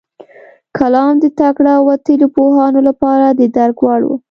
کلام د تکړه او وتلیو پوهانو لپاره د درک وړ و.